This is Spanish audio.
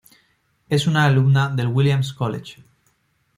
Es una alumna del Williams College.